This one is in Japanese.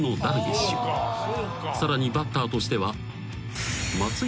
［さらにバッターとしては］